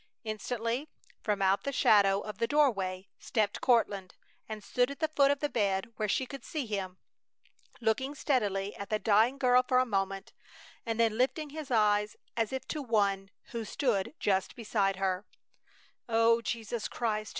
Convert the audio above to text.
Instantly, from out the shadow of the doorway, stepped Courtland, and stood at the foot of the bed where she could see him, looking steadily at the dying girl for a moment, and then lifting his eyes, as if to One who stood just beside her: "O Jesus Christ!